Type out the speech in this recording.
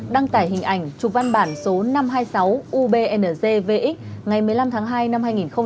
đăng tải hình ảnh chụp văn bản số năm trăm hai mươi sáu ubnzvx ngày một mươi năm tháng hai năm hai nghìn hai mươi một